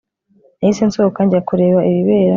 Nahise nsohoka njya kureba ibibera